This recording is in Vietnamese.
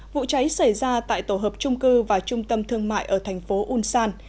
vụ cháy xảy ra tại tổ hợp trung cư và trung tâm thương mại ở thành phố ulsan